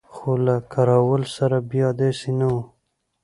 خو له کراول سره بیا داسې نه وو.